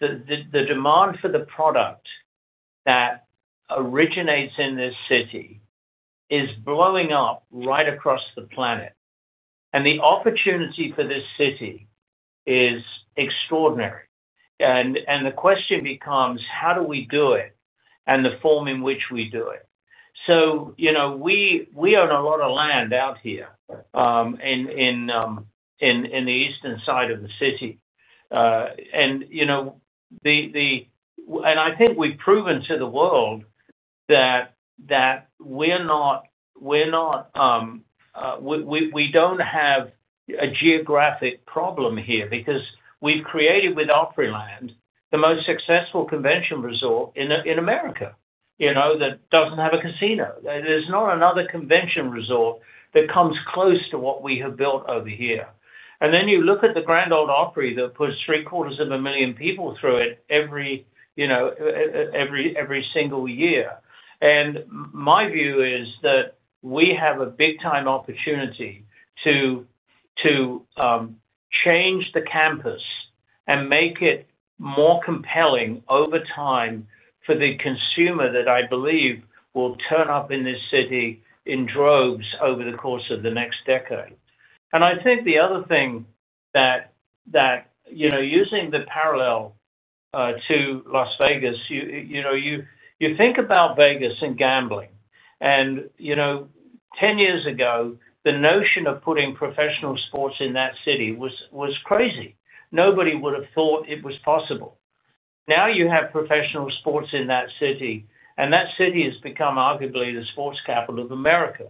that the demand for the product that originates in this city is blowing up right across the planet, and the opportunity for this city is extraordinary. And the question becomes, how do we do it and the form in which we do it? We own a lot of land out here in the eastern side of the city, and I think we've proven to the world that we're not. We don't have a geographic problem here because we've created with Opryland the most successful convention resort in America that doesn't have a casino. There's not another convention resort that comes close to what we have built over here. And then you look at the Grand Ole Opry that puts three-quarters of a million people through it every single year. And my view is that we have a big-time opportunity to change the campus and make it more compelling over time for the consumer that I believe will turn up in this city in droves over the course of the next decade. And I think the other thing that using the parallel to Las Vegas, you think about Vegas and gambling, and 10 years ago, the notion of putting professional sports in that city was crazy. Nobody would have thought it was possible. Now you have professional sports in that city, and that city has become arguably the sports capital of America.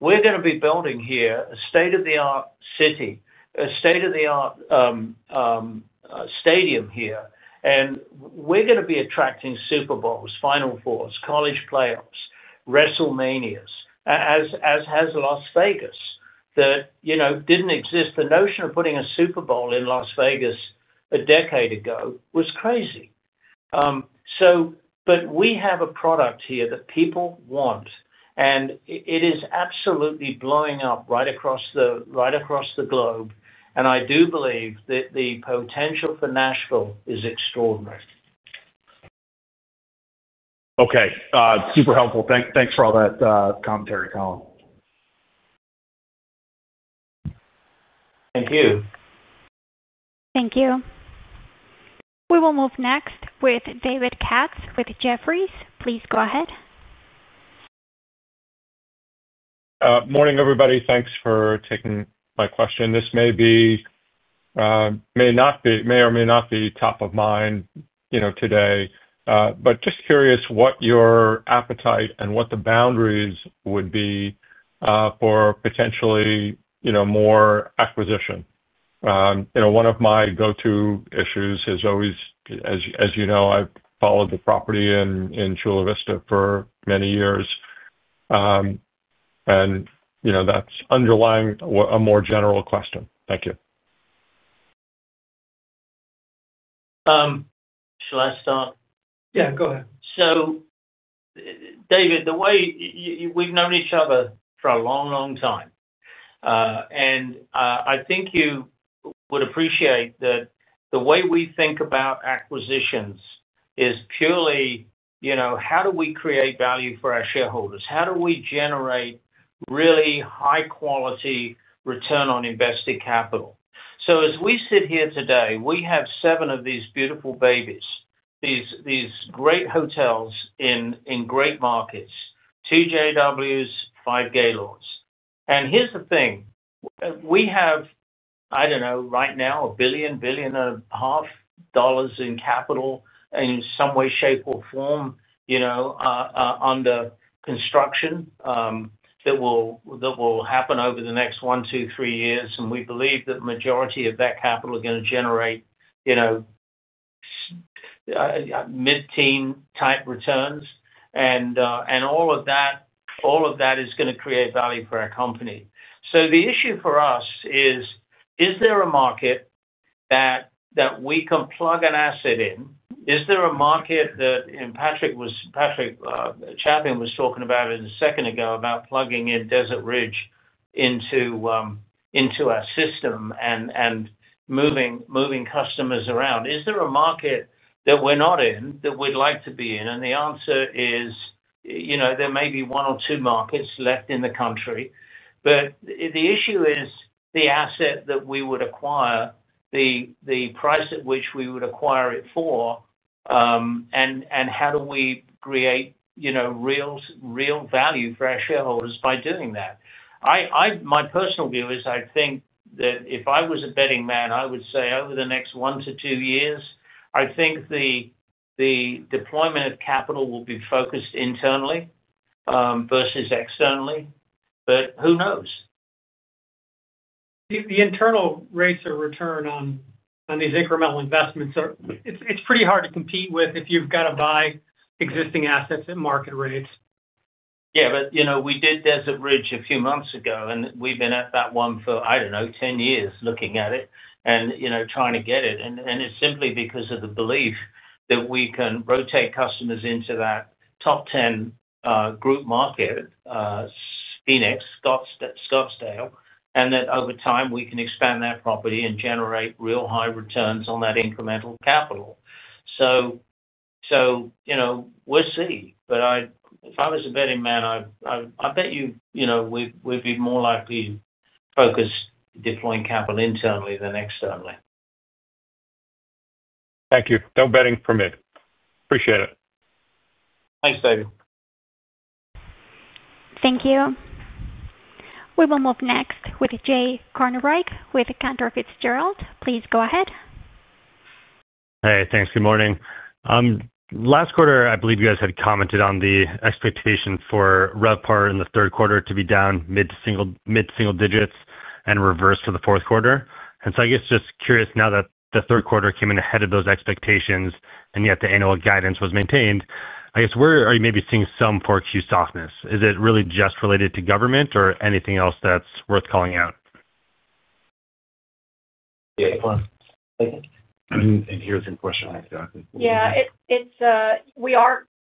We're going to be building here a state-of-the-art city, a state-of-the-art stadium here, and we're going to be attracting Super Bowls, Final Fours, college playoffs, WrestleManias, as has Las Vegas that didn't exist. The notion of putting a Super Bowl in Las Vegas a decade ago was crazy. But we have a product here that people want, and it is absolutely blowing up right across the globe. And I do believe that the potential for Nashville is extraordinary. Okay. Super helpful. Thanks for all that commentary, Colin. Thank you. Thank you. We will move next with David Katz with Jefferies. Please go ahead. Morning, everybody. Thanks for taking my question. This may or may not be top of mind today. But just curious what your appetite and what the boundaries would be for potentially more acquisition. One of my go-to issues is always, as you know, I've followed the property in Chula Vista for many years. And that's underlying a more general question. Thank you. Shall I start? Yeah, go ahead. So, David, the way we've known each other for a long, long time, and I think you would appreciate that the way we think about acquisitions is purely how do we create value for our shareholders? How do we generate really high-quality return on invested capital? So as we sit here today, we have seven of these beautiful babies, these great hotels in great markets, two JWs, five Gaylords. And here's the thing, we have, I don't know, right now, $1 billion-$1.5 billion in capital in some way, shape, or form under construction that will happen over the next one, two, three years, and we believe that the majority of that capital is going to generate mid-teen type returns, and all of that is going to create value for our company. So the issue for us is, is there a market that we can plug an asset in? Is there a market that Patrick Chaffin was talking about it a second ago about plugging in Desert Ridge into our system and moving customers around? Is there a market that we're not in that we'd like to be in? And the answer is there may be one or two markets left in the country, but the issue is the asset that we would acquire, the price at which we would acquire it for, and how do we create real value for our shareholders by doing that? My personal view is I think that if I was a betting man, I would say over the next one to two years, I think the deployment of capital will be focused internally versus externally, but who knows? The internal rates of return on these incremental investments, it's pretty hard to compete with if you've got to buy existing assets at market rates. Yeah, but we did Desert Ridge a few months ago, and we've been at that one for, I don't know, 10 years looking at it and trying to get it. And it's simply because of the belief that we can rotate customers into that top 10 group market. Phoenix, Scottsdale, and that over time we can expand that property and generate real high returns on that incremental capital. So. We'll see. But if I was a betting man, I bet you we'd be more likely to focus deploying capital internally than externally. Thank you. No betting permitted. Appreciate it. Thanks, David. Thank you. We will move next with Jay Kornreich with Cantor Fitzgerald. Please go ahead. Hey, thanks. Good morning. Last quarter, I believe you guys had commented on the expectation for RevPAR in the third quarter to be down mid-single digits and reverse for the fourth quarter. And so I guess just curious now that the third quarter came in ahead of those expectations and yet the annual guidance was maintained, I guess where are you maybe seeing some Q4 softness? Is it really just related to government or anything else that's worth calling out? Yeah. Here's your question. Yeah.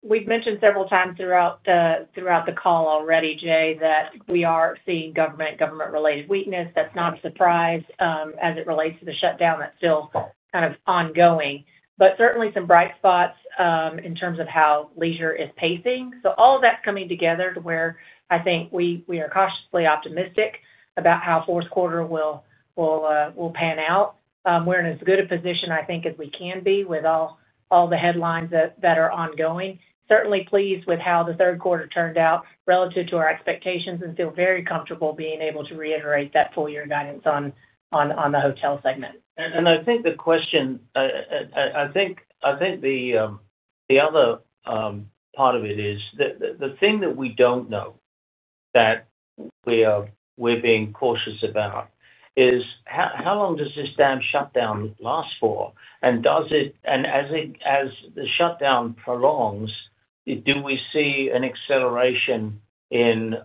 We've mentioned several times throughout the call already, Jay, that we are seeing government-related weakness. That's not a surprise as it relates to the shutdown that's still kind of ongoing, but certainly some bright spots in terms of how leisure is pacing, so all of that's coming together to where I think we are cautiously optimistic about how fourth quarter will pan out. We're in as good a position, I think, as we can be with all the headlines that are ongoing. Certainly pleased with how the third quarter turned out relative to our expectations and feel very comfortable being able to reiterate that full-year guidance on the hotel segment. And I think the question—I think the other part of it is the thing that we don't know. That we're being cautious about is how long does this damn shutdown last for? And as the shutdown prolongs, do we see an acceleration in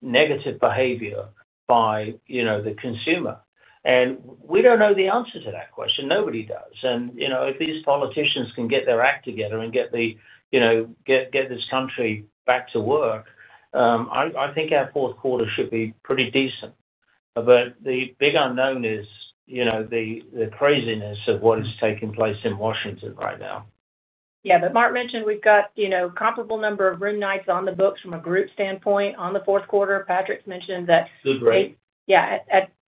negative behavior by the consumer? And we don't know the answer to that question. Nobody does. And if these politicians can get their act together and get this country back to work, I think our fourth quarter should be pretty decent. But the big unknown is the craziness of what is taking place in Washington right now. Yeah. But Mark mentioned we've got a comparable number of room nights on the books from a group standpoint on the fourth quarter. Patrick's mentioned that. Good rates. Yeah,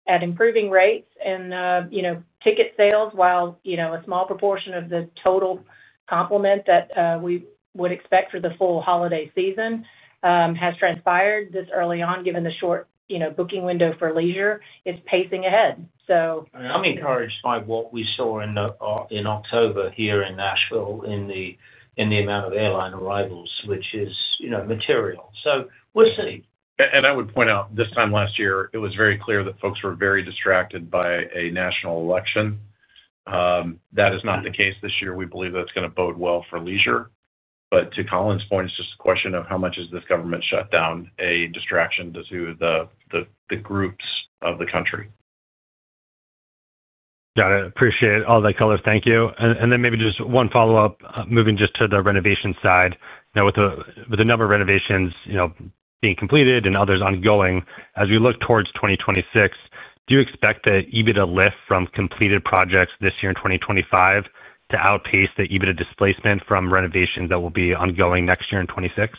at improving rates and ticket sales, while a small proportion of the total component that we would expect for the full holiday season has transpired this early on, given the short booking window for leisure, it's pacing ahead. I mean, I'm encouraged by what we saw in October here in Nashville in the amount of airline arrivals, which is material. So we'll see. And I would point out this time last year, it was very clear that folks were very distracted by a national election. That is not the case this year. We believe that's going to bode well for leisure. But to Colin's point, it's just a question of how much is this government shutdown a distraction to the groups of the country. Got it. Appreciate all the colors. Thank you. And then maybe just one follow-up, moving just to the renovation side. With a number of renovations being completed and others ongoing, as we look towards 2026, do you expect the EBITDA lift from completed projects this year in 2025 to outpace the EBITDA displacement from renovations that will be ongoing next year in 2026?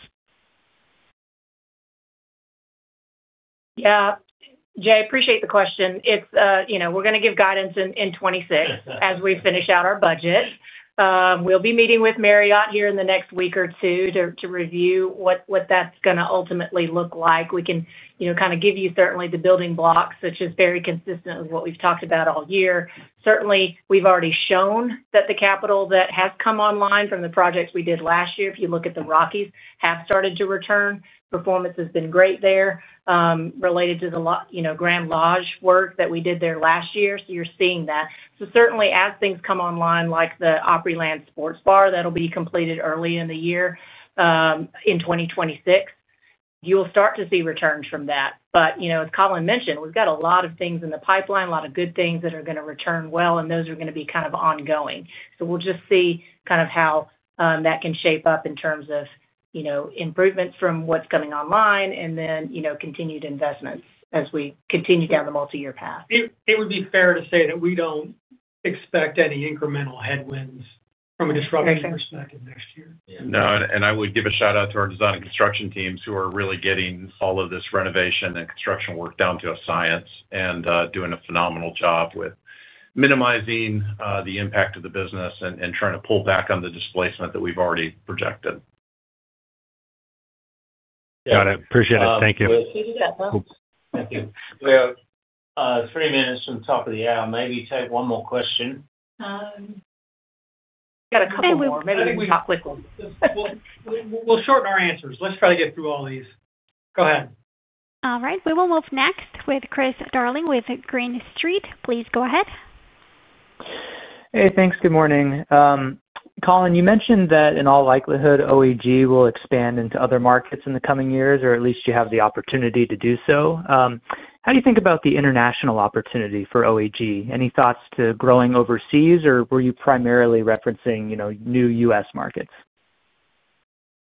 Yeah. Jay, I appreciate the question. We're going to give guidance in 2026 as we finish out our budget. We'll be meeting with Marriott here in the next week or two to review what that's going to ultimately look like. We can kind of give you certainly the building blocks, which is very consistent with what we've talked about all year. Certainly, we've already shown that the capital that has come online from the projects we did last year, if you look at the Rockies, have started to return. Performance has been great there. Related to the Grand Lodge work that we did there last year, so you're seeing that. So certainly, as things come online, like the Opryland Sports Bar that'll be completed early in the year. In 2026. You'll start to see returns from that. But as Colin mentioned, we've got a lot of things in the pipeline, a lot of good things that are going to return well, and those are going to be kind of ongoing. So we'll just see kind of how that can shape up in terms of improvements from what's coming online and then continued investments as we continue down the multi-year path. It would be fair to say that we don't expect any incremental headwinds from a disruption perspective next year. No, and I would give a shout-out to our design and construction teams, who are really getting all of this renovation and construction work down to a science and doing a phenomenal job with minimizing the impact of the business and trying to pull back on the displacement that we've already projected. Got it. Appreciate it. Thank you. Thank you. We have three minutes from the top of the hour. Maybe take one more question. We've got a couple more. Maybe we can talk quickly. We'll shorten our answers. Let's try to get through all these. Go ahead. All right. We will move next with Chris Darling with Green Street. Please go ahead. Hey, thanks. Good morning. Colin, you mentioned that in all likelihood, OEG will expand into other markets in the coming years, or at least you have the opportunity to do so. How do you think about the international opportunity for OEG? Any thoughts to growing overseas, or were you primarily referencing new US markets?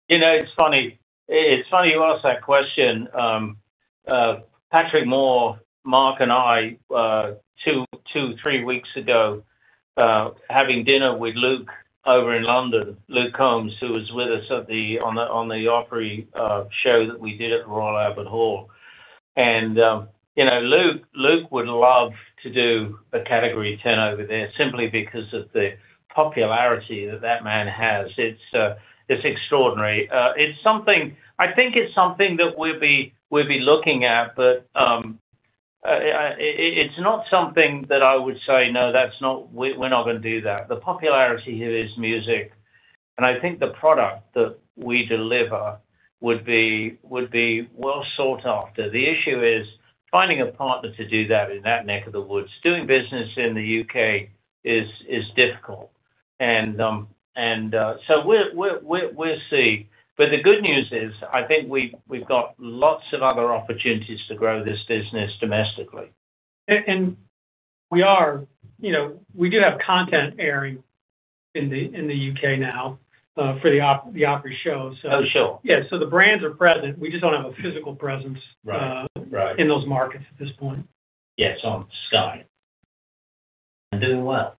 It's funny. It's funny you asked that question. Patrick Moore, Mark and I. Two, three weeks ago. Having dinner with Luke over in London, Luke Combs, who was with us on the Opry show that we did at Royal Albert Hall. And Luke would love to do a Category 10 over there simply because of the popularity that that man has. It's extraordinary. I think it's something that we'll be looking at, but. It's not something that I would say, "No, we're not going to do that." The popularity here is music. And I think the product that we deliver would be well sought after. The issue is finding a partner to do that in that neck of the woods. Doing business in the U.K. is difficult. And so we'll see. But the good news is I think we've got lots of other opportunities to grow this business domestically. We do have content airing in the U.K. now for the Opry show. Oh, sure. Yeah. So the brands are present. We just don't have a physical presence. Right. In those markets at this point. Yes, on Sky. And doing well.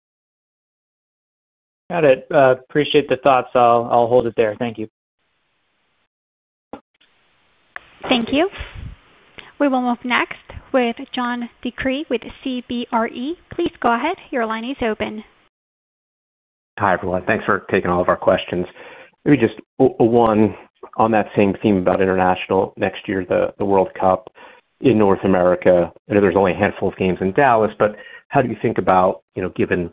Got it. Appreciate the thoughts. I'll hold it there. Thank you. Thank you. We will move next with John DeCree with CBRE. Please go ahead. Your line is open. Hi, everyone. Thanks for taking all of our questions. Maybe just one on that same theme about international next year, the World Cup in North America. I know there's only a handful of games in Dallas, but how do you think about given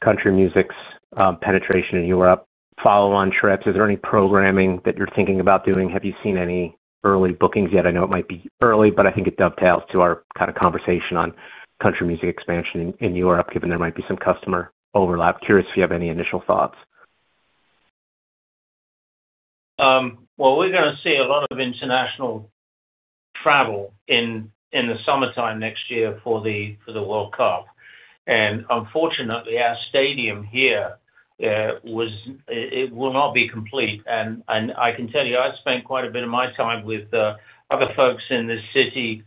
country music's penetration in Europe? Follow-on trips? Is there any programming that you're thinking about doing? Have you seen any early bookings yet? I know it might be early, but I think it dovetails to our kind of conversation on country music expansion in Europe, given there might be some customer overlap. Curious if you have any initial thoughts. Well, we're going to see a lot of international travel in the summertime next year for the World Cup. And unfortunately, our stadium here will not be complete. And I can tell you, I spent quite a bit of my time with other folks in the city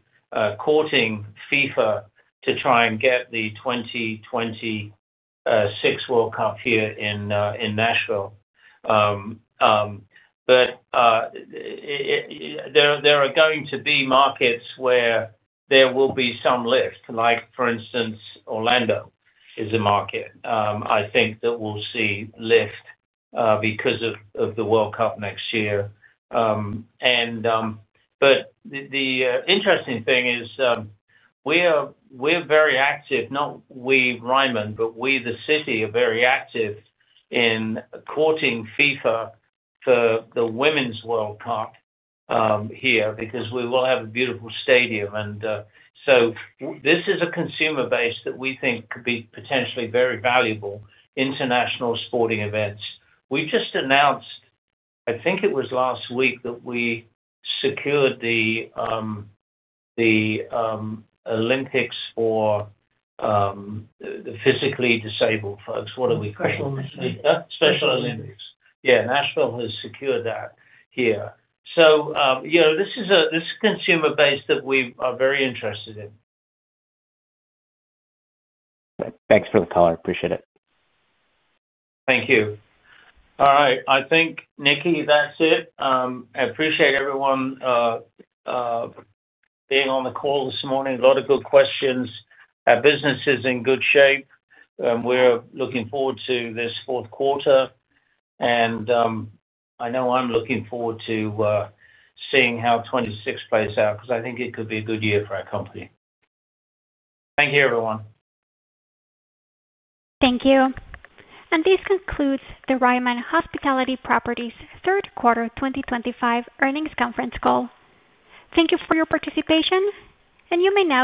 courting FIFA to try and get the 2026 World Cup here in Nashville. But there are going to be markets where there will be some lift. For instance, Orlando is a market I think that we'll see lift because of the World Cup next year. But the interesting thing is we're very active. Not we, Ryman, but we, the city, are very active in courting FIFA for the Women's World Cup here because we will have a beautiful stadium. And so this is a consumer base that we think could be potentially very valuable, international sporting events. We just announced, I think it was last week, that we secured the Olympics for physically disabled folks. What are we calling it? Special Olympics. Yeah, Nashville has secured that here. So this is a consumer base that we are very interested in. Thanks for the color. Appreciate it. Thank you. All right. I think, NikKI, that's it. I appreciate everyone being on the call this morning. A lot of good questions. Our business is in good shape. We're looking forward to this fourth quarter. And I know I'm looking forward to seeing how 2026 plays out because I think it could be a good year for our company. Thank you, everyone. Thank you. And this concludes the Ryman Hospitality Properties third quarter 2025 earnings conference call. Thank you for your participation, and you may now.